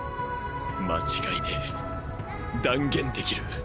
間違いねぇ断言できる。